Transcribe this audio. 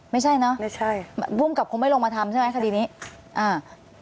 ไม่ใช่เนอะไม่ใช่ภูมิกับคงไม่ลงมาทำใช่ไหมคดีนี้อ่า